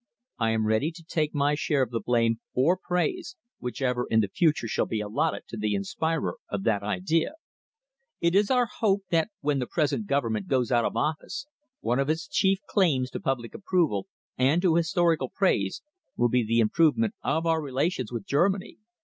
I am ready to take my share of the blame or praise, whichever in the future shall be allotted to the inspirer of that idea. It is our hope that when the present Government goes out of office, one of its chief claims to public approval and to historical praise will be the improvement of our relations with Germany.